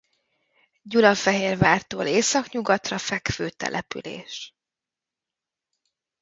Gyulafehérvártól északnyugatra fekvő település.